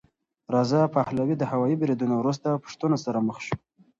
رضا پهلوي د هوايي بریدونو وروسته پوښتنو سره مخ شو.